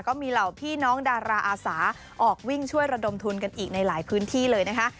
ก็มีเหล่าพี่น้องดาราอาสาออกวิ่งช่วยระดมทุนกันอีกในหลายพื้นที่เลยนะคะ